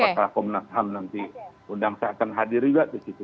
apakah komnas ham nanti undang saya akan hadir juga di situ